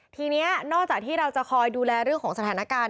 ทีนี้นอกจากที่เราจะคอยดูแลเรื่องของสถานการณ์